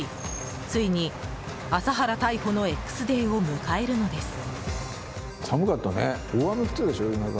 ついに麻原逮捕のＸデーを迎えるのです。